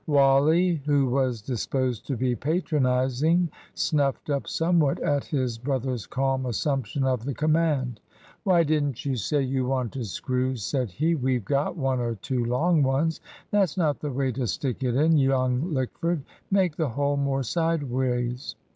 Wally, who was disposed to be patronising, snuffed up somewhat at his brother's calm assumption of the command. "Why didn't you say you wanted screws?" said he; "we've got one or two long ones. That's not the way to stick it in, young Lickford; make the hole more sideways.